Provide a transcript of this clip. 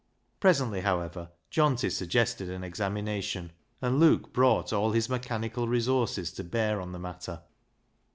Presently, however, Johnty suggested an examination, and Luke brought all his mechanical resources to bear on the matter.